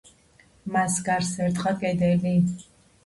მას გარს ერტყა კედელი.